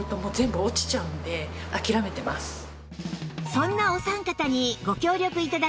そんなお三方にご協力頂き